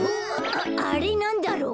ああれなんだろう。